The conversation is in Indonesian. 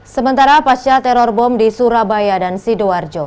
sementara pasca teror bom di surabaya dan sidoarjo